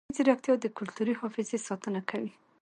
مصنوعي ځیرکتیا د کلتوري حافظې ساتنه کوي.